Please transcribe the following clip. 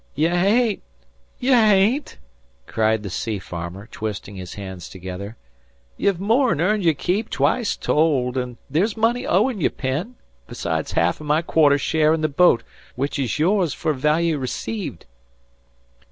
"Ye hain't ye hain't!" cried the sea farmer, twisting his hands together. "Ye've more'n earned your keep twice told; an' there's money owin' you, Penn, besides ha'af o' my quarter share in the boat, which is yours fer value received."